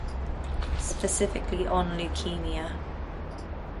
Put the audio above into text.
Specifically on leukemia.